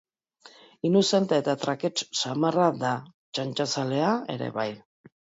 Inuzente eta trakets samarra da, txantxazalea ere bai.